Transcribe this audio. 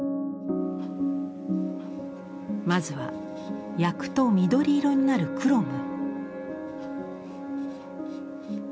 まずは焼くと緑色になるクロム。